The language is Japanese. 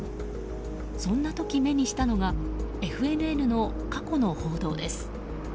そんな時、目にしたのがＦＮＮの過去の報道です。